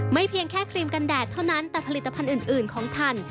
เพียงแค่ครีมกันแดดเท่านั้นแต่ผลิตภัณฑ์อื่นของท่าน